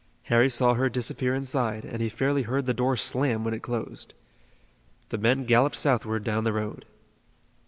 Harry saw her disappear inside, and he fairly heard the door slam when it closed. The men galloped southward down the road.